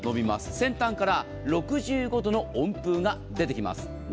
先端から６５度の温風が出てきます。